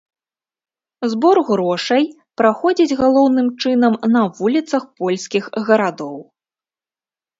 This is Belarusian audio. Збор грошай праходзіць галоўным чынам на вуліцах польскіх гарадоў.